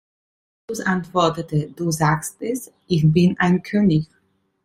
Jesus antwortete: Du sagst es, ich bin ein König.